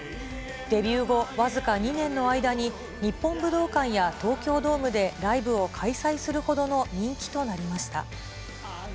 デビュー後、僅か２年の間に日本武道館や東京ドームでライブを開催するほどの人気となりました。